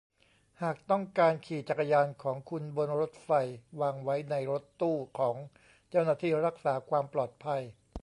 หากต้องการขี่จักรยานของคุณบนรถไฟวางไว้ในรถตู้ของเจ้าหน้าที่รักษาความปลอดภัย